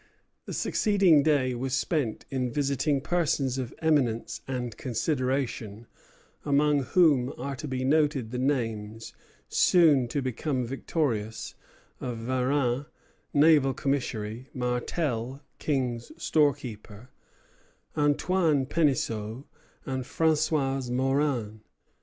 The succeeding day was spent in visiting persons of eminence and consideration, among whom are to be noted the names, soon to become notorious, of Varin, naval commissary, Martel, King's storekeeper, Antoine Penisseault, and François Maurin.